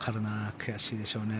悔しいでしょうね。